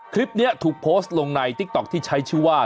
คลิปนี้ถูกโพสต์ลงในติ๊กต๊อกที่ใช้ชื่อว่า